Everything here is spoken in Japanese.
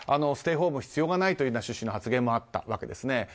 ステイホームの必要はないという趣旨の発言もあったわけですね。